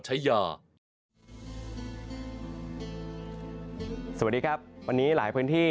สวัสดีครับวันนี้หลายพื้นที่